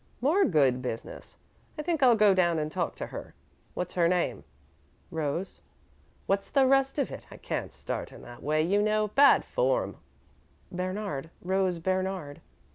"More good business. I think I'll go down and talk to her. What's her name?" "Rose." "What's the rest of it? I can't start in that way, you know. Bad form." "Bernard Rose Bernard."